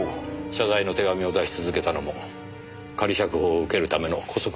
謝罪の手紙を出し続けたのも仮釈放を受けるための姑息な手段ですか？